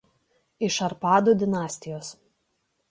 Iš Arpadų dinastijos.